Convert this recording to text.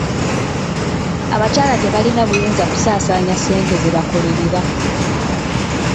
Abakyala tebalina buyinza kusaasaanya ssente ze bakolerera.